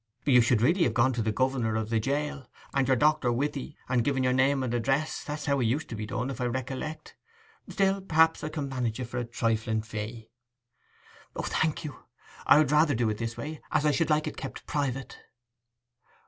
'You should really have gone to the governor of the jail, and your doctor with 'ee, and given your name and address—that's how it used to be done, if I recollect. Still, perhaps, I can manage it for a trifling fee.' 'O, thank you! I would rather do it this way, as I should like it kept private.